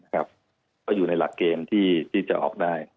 ก็อยู่ในหลักเกณฑ์ที่จะออกได้